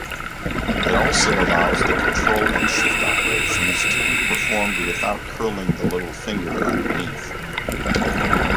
It also allows control-and-shift operations to be performed without curling the little finger underneath.